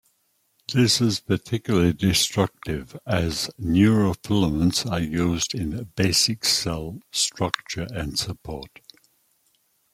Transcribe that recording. This is particularly destructive as neurofilaments are used in basic cell structure and support.